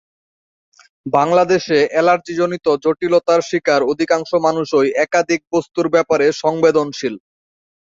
বাংলাদেশে অ্যালার্জিগত জটিলতার শিকার অধিকাংশ মানুষই একাধিক বস্ত্তর ব্যাপারে সংবেদনশীল।